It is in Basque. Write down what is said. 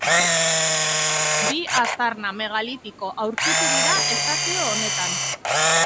Bi aztarna megalitiko aurkitu dira estazio honetan.